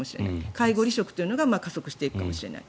介護離職が加速していくかもしれない。